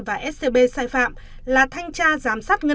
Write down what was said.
và scb sai phạm